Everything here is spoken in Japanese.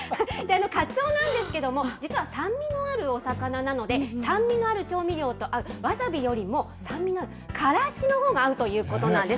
かつおなんですけども、実は酸味のあるお魚なので、酸味のある調味料と合うわさびよりも、からしが合うということなんです。